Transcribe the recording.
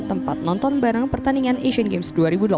tempat nonton bareng pertandingan asian games dua ribu delapan belas